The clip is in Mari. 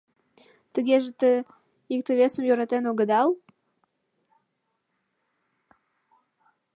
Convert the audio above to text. — Тыгеже те... икте-весым йӧратен огыдал?